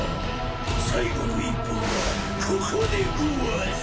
最後の１本はここでごわす！